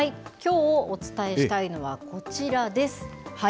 きょうお伝えしたいのは、こちらです。